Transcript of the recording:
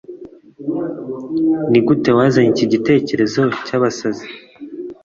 nigute wazanye iki gitekerezo cyabasazi